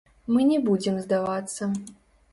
Мы не будзем здавацца.